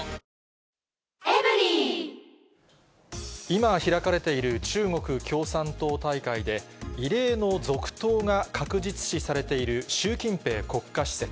今開かれている、中国共産党大会で、異例の続投が確実視されている習近平国家主席。